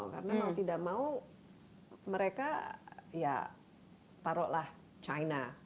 karena mau tidak mau mereka ya taruhlah china